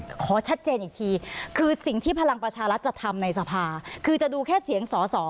ขอชัดเจนอีกทีคือสิ่งที่พลังประชารัฐจะทำในสภาคือจะดูแค่เสียงสอสอ